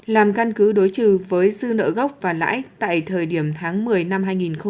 làm căn cứ đối trừ với dư nợ gốc và lãi tại thời điểm tháng một mươi năm hai nghìn một mươi chín